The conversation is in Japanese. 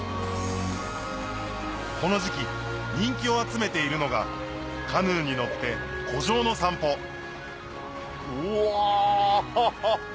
この時期人気を集めているのがカヌーに乗って湖上の散歩うわハッハ！